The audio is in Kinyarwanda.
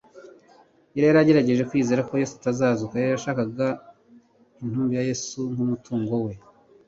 Yari yagerageje kwizera ko Yesu atazazuka. Yashakaga inhunbi ya Yesu nk'umutungo we.